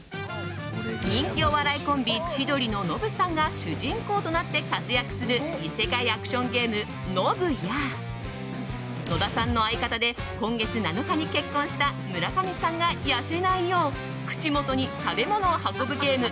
人気お笑いコンビ千鳥のノブさんが主人公となって活躍する異世界アクションゲーム「信ＮＯＢＵ」や野田さんの相方で今月７日に結婚した村上さんが痩せないよう口元に食べ物を運ぶゲーム